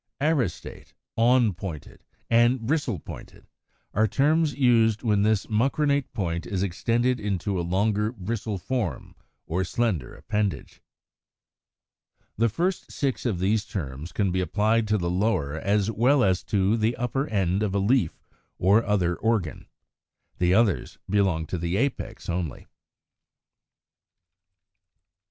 Aristate, Awn pointed, and Bristle pointed, are terms used when this mucronate point is extended into a longer bristle form or slender appendage. The first six of these terms can be applied to the lower as well as to the upper end of a leaf or other organ. The others belong to the apex only.